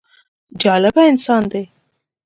جالبه انسان دی.